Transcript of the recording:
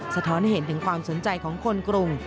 สะท้อนให้เห็นถึงความสนใจของคนกรุง